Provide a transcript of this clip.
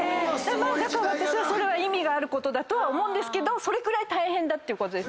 だから私はそれは意味があることだとは思うんですけどそれくらい大変だってことです。